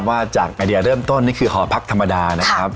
ว่าจากไอเดียเริ่มต้นนี่คือหอพักธรรมดานะครับ